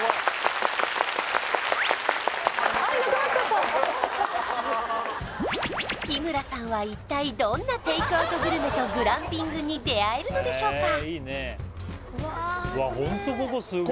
それでは日村さんは一体どんなテイクアウトグルメとグランピングに出会えるのでしょうか？